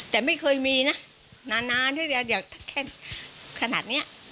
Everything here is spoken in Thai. แต่ไม่เคยมีนะนานเดี๋ยวถ้าแค่ขนาดนี้